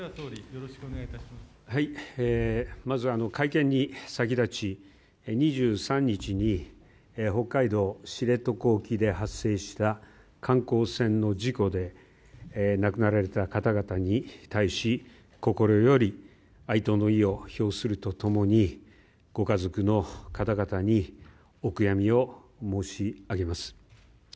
まず、会見に先立ち２３日に北海道知床沖で発生した観光船の事故で亡くなられた方々に対し心より哀悼の意を表すると共にご家族の方々にお悔やみを申し上げます。